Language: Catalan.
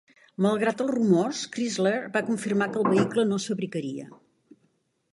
Malgrat els rumors, Chrysler va confirmar que el vehicle no es fabricaria.